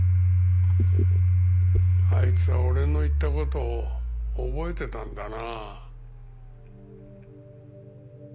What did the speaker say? あいつは俺の言った事を覚えてたんだな。